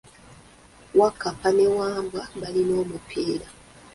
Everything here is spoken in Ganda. Wakkapa ne Wambwa balina omupiira.